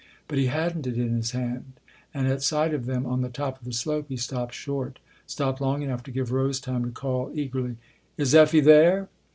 But he hadn't it in his hand, and at sight of them on the top of the slope he stopped short, stopped long enough to give Rose time to call eagerly : "Is Effie there